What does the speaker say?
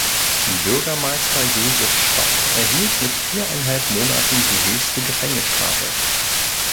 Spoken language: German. Bürgermeister Josef Stock erhielt mit viereinhalb Monaten die höchste Gefängnisstrafe.